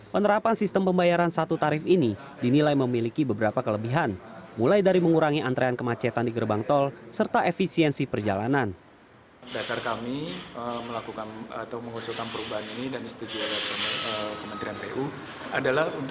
penerapan sistem satu tarif ini bertujuan untuk mengurangi antrian dan kemacetan di gerbang tol saat arus mudik lebaran